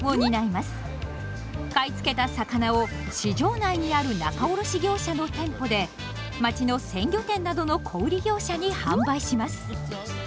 買い付けた魚を市場内にある仲卸業者の店舗で町の鮮魚店などの小売業者に販売します。